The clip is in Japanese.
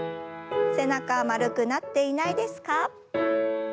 背中丸くなっていないですか？